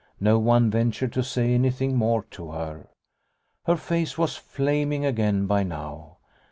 No one ventured to say anything more to her. Her face was flaming again by now.